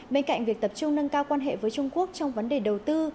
bên cạnh việc tập trung nâng cao quan hệ với trung quốc trong vấn đề đầu tư